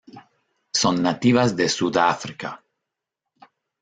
Son nativas de Sudáfrica.